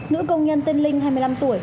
nữ công nhân tên linh hai mươi năm tuổi